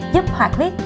giúp hoạt huyết